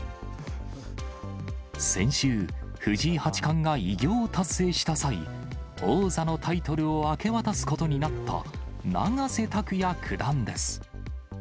先週、藤井八冠が偉業を達成した際、王座のタイトルを明け渡すことになった永瀬拓矢九段です。